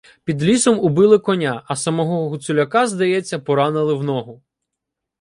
Під лісом убили коня, а самого Гуцуляка, здається, поранили в ногу.